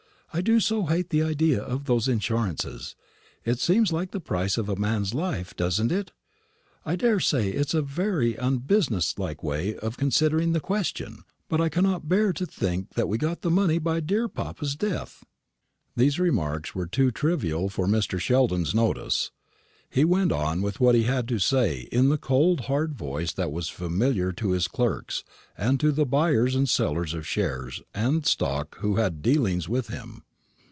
I do so hate the idea of those insurances. It seems like the price of a man's life, doesn't it? I daresay that is a very unbusiness like way of considering the question, but I cannot bear to think that we got money by dear papa's death." These remarks were too trivial for Mr. Sheldon's notice. He went on with what he had to say in the cold hard voice that was familiar to his clerks and to the buyers and sellers of shares and stock who had dealings with him.